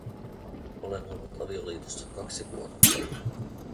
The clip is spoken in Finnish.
Olen ollut avioliitossa kaksi vuotta.